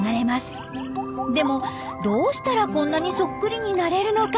でもどうしたらこんなにそっくりになれるのか。